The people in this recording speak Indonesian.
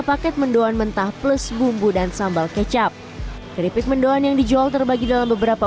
paket mendoan mentah plus bumbu dan sambal kecap keripik mendoan yang dijual terbagi dalam beberapa